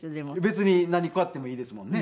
別に何買ってもいいですもんね。